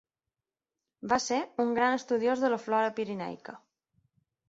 Va ser un gran estudiós de la flora pirenaica.